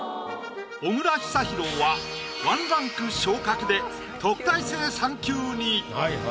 小倉久寛は１ランク昇格で特待生３級に。